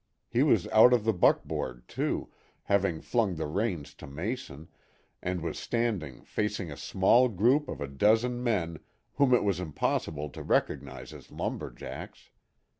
He was out of the buckboard, too, having flung the reins to Mason, and was standing facing a small group of a dozen men whom it was almost impossible to recognize as lumberjacks.